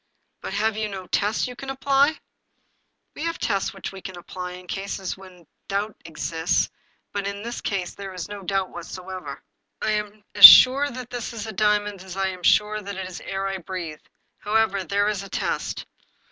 " But have you no tests you can apply ?"" We have tests which we apply in cases in which doubt exists, but in this case there is no doubt whatever. I am 263 English Mystery Stories as sure that this is a diamond as I am sure that it is air I breathe. However, here is a test."